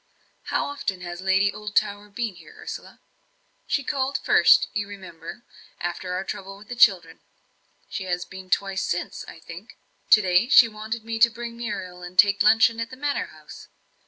"How often has Lady Oldtower been here, Ursula?" "She called first, you remember, after our trouble with the children; she has been twice since, I think. To day she wanted me to bring Muriel and take luncheon at the Manor House.